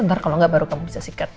ntar kalau nggak baru kamu bisa sikat